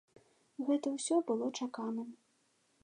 Гэта ўсё было чаканым.